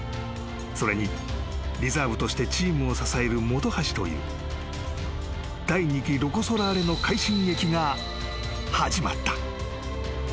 ［それにリザーブとしてチームを支える本橋という第二期ロコ・ソラーレの快進撃が始まった］